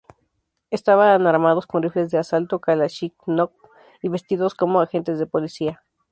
Estaban armados con rifles de asalto Kalashnikov y vestidos como agentes de policía.